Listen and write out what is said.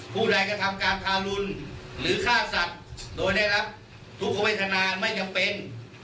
ผู้แรงกระทำการทารุณหรือฆ่าสัตว์โดยได้รับทุกขเวทนาไม่จำเป็น